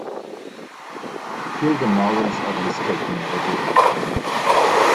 Here the novels are listed in narrative order.